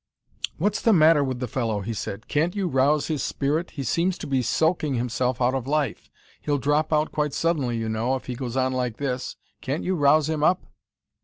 "What's the matter with the fellow?" he said. "Can't you rouse his spirit? He seems to be sulking himself out of life. He'll drop out quite suddenly, you know, if he goes on like this. Can't you rouse him up?"